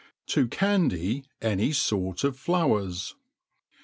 To candy any Sort of Fidwrs.